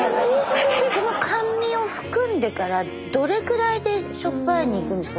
その甘味を含んでからどれくらいでしょっぱいのいくんですか？